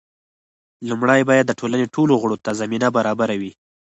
لومړی باید د ټولنې ټولو غړو ته زمینه برابره وي.